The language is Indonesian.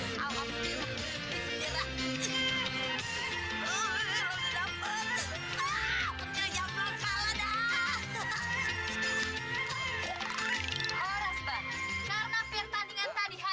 sampai jumpa di video selanjutnya